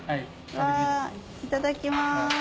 わぁいただきます。